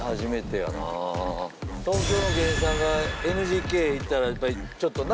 東京の芸人さんがＮＧＫ行ったらやっぱりちょっとな。